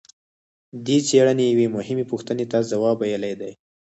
دې څېړنې یوې مهمې پوښتنې ته ځواب ویلی دی.